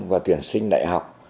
và tuyển sinh đại học